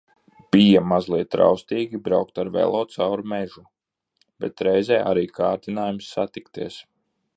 Bija mazliet raustīgi braukt ar velo caur mežu, bet reizē arī kārdinājums satikties.